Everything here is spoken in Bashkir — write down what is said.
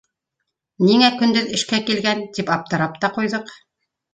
Ниңә көндөҙ эшкә килгән, тип аптырап та ҡуйҙыҡ.